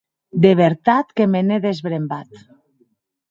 De vertat que me n’è desbrembat.